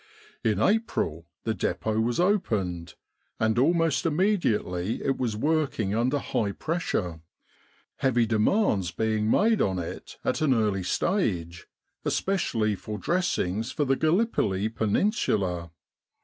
In April the Dep6t was opened, and almost immediately it was working under high pressure, heavy demands being made on it at an early 48 Egypt and the Great War stage, especially for dressings for the Gallipoli Peninsula.